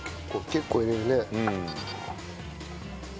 結構入れるね。